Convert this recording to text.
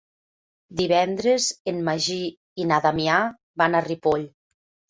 Divendres en Magí i na Damià van a Ripoll.